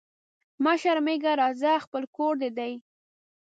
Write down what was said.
مه شرمېږه راځه خپل کور دي دی